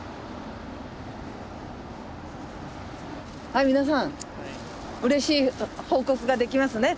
はい皆さんうれしい報告ができますね。